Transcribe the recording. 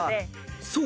［そう。